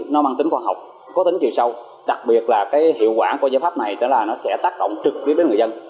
nó mang tính khoa học có tính chiều sâu đặc biệt là cái hiệu quả của giải pháp này nó sẽ tác động trực tiếp đến người dân